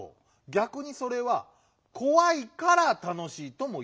ぎゃくにそれは「こわいからたのしい」ともいえるぞ。